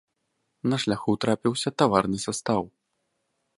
На шляху трапіўся таварны састаў.